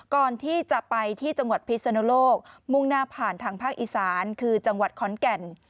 ก่อนที่จะไปที่จังหวัดพิศนุโลกมุ่งหน้าผ่านทางภาคอีสานคือจังหวัดขอนแก่น